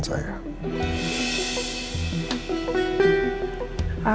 saya juga mau mengingatkan anda